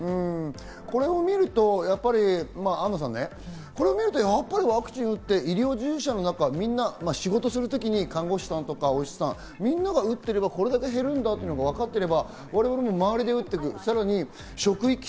これを見るとやっぱりアンナさん、ワクチンを打って医療従事者の方、仕事をするときに看護師さんとかお医者さん、みんなが打ってれば、これだけ減るのがわかっていれば、我々も周りで打っていく。